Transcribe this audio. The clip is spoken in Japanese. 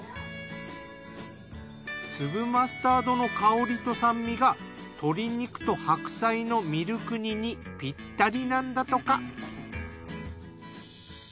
粒マスタードの香りと酸味が鶏肉と白菜のミルク煮にピッタリなんだとか。